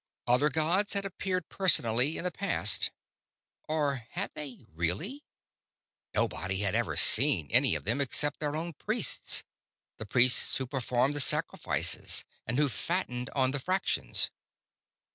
Other gods had appeared personally in the past ... or had they, really? Nobody had ever seen any of them except their own priests ... the priests who performed the sacrifices and who fattened on the fractions....